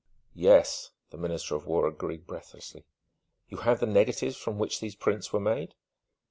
"Yes," the Minister of War agreed breathlessly. "You have the negatives from which these prints were made?"